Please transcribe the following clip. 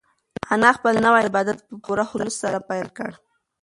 انا خپل نوی عبادت په پوره خلوص سره پیل کړ.